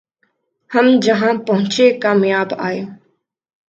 ہم جہاں پہنچے کامیاب آئے